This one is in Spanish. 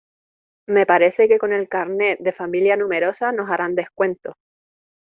Me parece que con el carné de familia numerosa nos harán descuento.